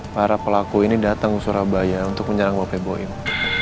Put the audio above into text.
para pelaku ini datang ke surabaya untuk menyerang bapaknya ibu ibu